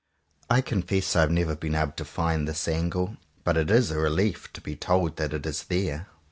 I confess I have never been able to find this angle. But it is a relief to be told that it is there.